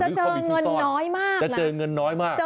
หรือเขามีทุกซ่อนจะเจอเงินน้อยมากนะครับ